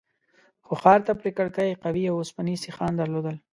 خو ښار ته پرې کړکۍ قوي اوسپنيز سيخان درلودل.